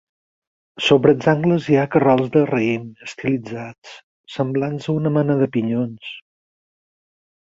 Sobre els angles hi ha carrolls de raïm estilitzats semblants a una mena de pinyons.